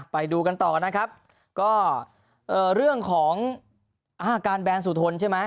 ไปดูกันต่อนะครับก็เอ่อเรื่องของการแบนสุทนใช่ไหม